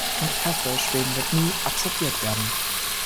Und ich hoffe, Schweden wird nie absorbiert werden.